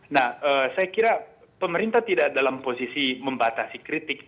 nah saya kira pemerintah tidak dalam posisi membatasi kritik